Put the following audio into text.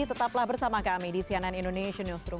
tetaplah bersama kami di sianan indonesia newsroom